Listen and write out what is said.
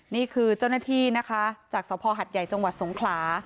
นี่คือเจ้าหน้าที่นะคะจากสภหัดใหญ่จังหวัดสงขลา